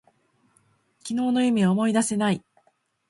昨日の夢を思い出せない。